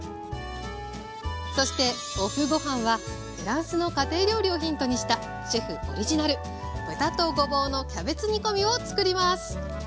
そしてＯＦＦごはんはフランスの家庭料理をヒントにしたシェフオリジナル豚とごぼうのキャベツ煮込みをつくります。